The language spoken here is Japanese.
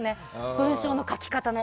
文章の書き方の。